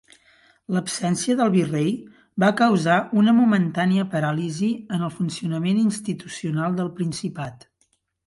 L'absència del virrei va causar una momentània paràlisi en el funcionament institucional del Principat.